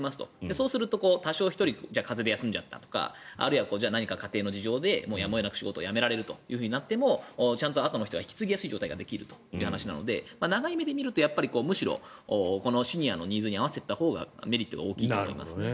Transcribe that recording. そうすると、１人風邪で休むとかになってもあるいは何か家庭の事情でやむを得なく仕事を辞められるとなってもちゃんと後の人が引き継ぎやすい状態ができるので長い目で見るとシニアのニーズに合わせたほうが大きいと思いますね。